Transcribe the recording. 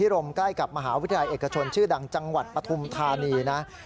รมใกล้กับมหาวิทยาลัยเอกชนชื่อดังจังหวัดปฐุมธานีนะ